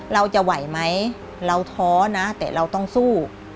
เราจะไหวไหมเราท้อนะแต่เราต้องสู้